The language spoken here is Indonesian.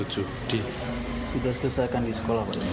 sudah selesai kan di sekolah